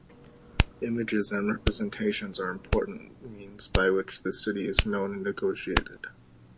Images and representations are important means by which the city is known and negotiated.